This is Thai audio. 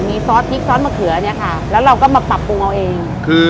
แล้วเราก็มาปรับปรุงเอง